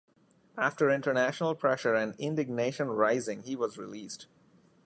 After international pressure and indignation rising, he was released.